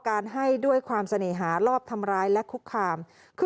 ให้ด้วยความเสน่หารอบทำร้ายและคุกคามคือ